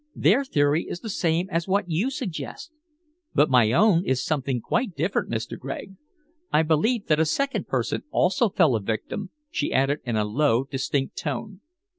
Their theory is the same as what you suggest, but my own is something quite different, Mr. Gregg. I believe that a second person also fell a victim," she added in a low, distinct tone.